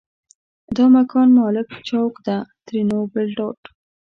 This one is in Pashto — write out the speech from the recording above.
دا مکان مالک چوک ده؛ ترينو ګړدود